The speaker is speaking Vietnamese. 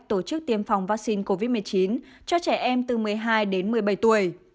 tổ chức tiêm phòng vaccine covid một mươi chín cho trẻ em từ một mươi hai đến một mươi bảy tuổi